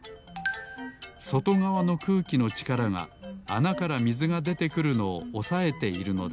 そとがわのくうきのちからがあなからみずがでてくるのをおさえているのです。